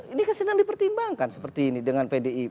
ini kesenangan dipertimbangkan seperti ini dengan pdi